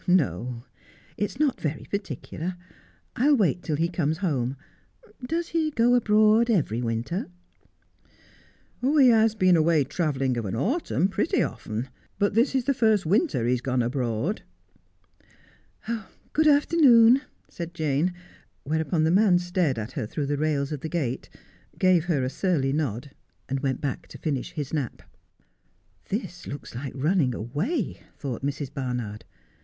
'No, it's not very particular. I'll wait till he comes home. Does he go abroad every winter 1 ' 'He has been away travelling of an autumn pretty often. But this is the first winter he has gone abroad.' ' Good afternoon,' said Jane, whereupon the man stared at her through the rails of the gate, gave her a surly nod, and went back to finish his nap. 'This looks like running away,' thought Mrs. Barnard.